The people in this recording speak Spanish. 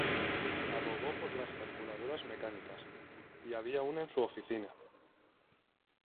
Abogó por las calculadoras mecánicas y había una en su oficina.